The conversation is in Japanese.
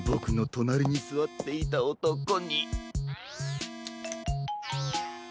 となりにすわっていたおとこか！